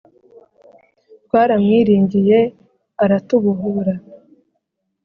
Twaramwiringiye aratubohora,